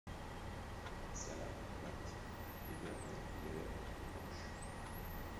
Sa lame est plate et perpendiculaire au manche.